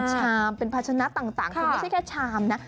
ชามเป็นภาชนะต่างคือไม่ใช่แค่ชามนะ